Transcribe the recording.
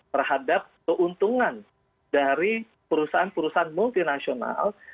terhadap keuntungan dari perusahaan perusahaan multinasional